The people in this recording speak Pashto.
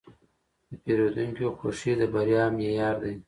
د پیرودونکي خوښي د بریا معیار دی.